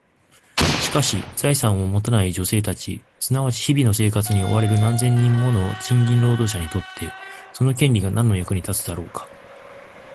しかし、財産を持たない女性たち、すなわち日々の生活に追われる何千人もの賃金労働者にとって、その権利が何の役に立つのだろうか？